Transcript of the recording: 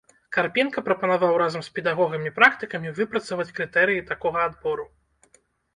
Карпенка прапанаваў разам з педагогамі-практыкамі выпрацаваць крытэрыі такога адбору.